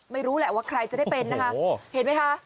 ไม่รู้แหละว่าใครจะได้เป็นนะคะเห็นไหมคะ